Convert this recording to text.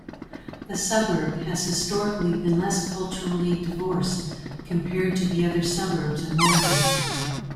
The suburb has historically been less culturally diverse compared to other suburbs in Moreland.